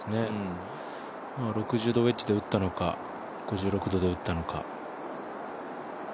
６０度ウェッジで打ったのか、５６度で打ったのか。